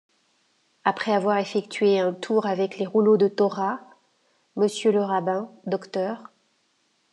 Après avoir effectué un tour avec les rouleaux de Torah, Mr le rabbin, Dr.